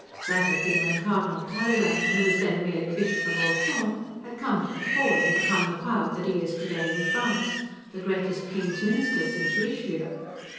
That had been when Cardinal Talleyrand, who was then merely Bishop of Autun, had came to the fore and become the power that he is today in France; the greatest King's Minister since Richelieu.